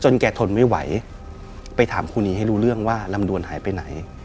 แกทนไม่ไหวไปถามครูนีให้รู้เรื่องว่าลำดวนหายไปไหน